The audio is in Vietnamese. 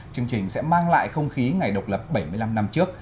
chương trình sẽ mang lại không khí ngày độc lập bảy mươi năm năm trước